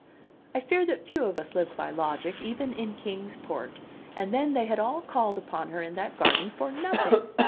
I fear that few of us live by logic, even in Kings Port; and then, they had all called upon her in that garden for nothing!